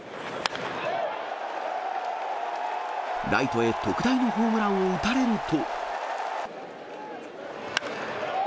ライトへ特大のホームランを打たれると。